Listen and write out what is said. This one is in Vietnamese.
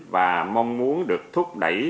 và mong muốn được thúc đẩy